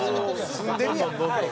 住んでるやん。